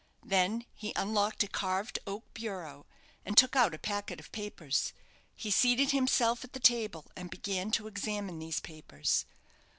Then he unlocked a carved oak bureau, and took out a packet of papers. He seated himself at the table, and began to examine these papers.